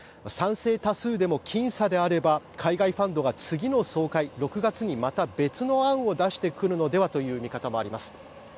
賛成多数でも、きん差であれば海外ファンドが次の総会、６月にまた別の案を出してくるのではという見方もあります。